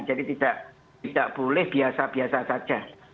jadi tidak boleh biasa biasa saja